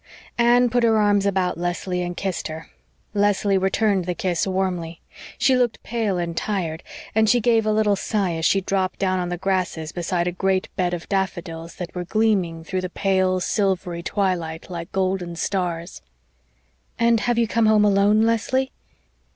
Anne put her arms about Leslie and kissed her. Leslie returned the kiss warmly. She looked pale and tired, and she gave a little sigh as she dropped down on the grasses beside a great bed of daffodils that were gleaming through the pale, silvery twilight like golden stars. "And you have come home alone, Leslie?"